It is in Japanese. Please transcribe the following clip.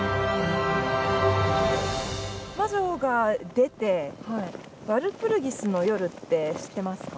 魔女が出てワルプルギスの夜って知ってますか？